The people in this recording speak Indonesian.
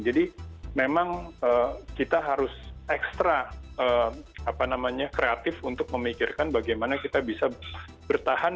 jadi memang kita harus ekstra kreatif untuk memikirkan bagaimana kita bisa bertahan